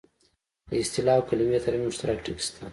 د اصطلاح او کلمې ترمنځ مشترک ټکي شته